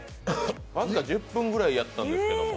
僅か１０分ぐらいやったんですけれども。